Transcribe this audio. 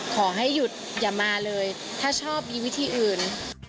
ขอให้หยุดอย่ามาเลยถ้าชอบมีวิธีอื่น